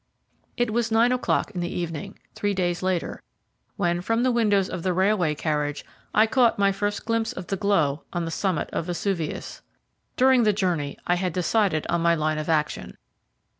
It was nine o'clock in the evening, three days later, when, from the window of the railway carriage, I caught my first glimpse of the glow on the summit of Vesuvius. During the journey I had decided on my line of action.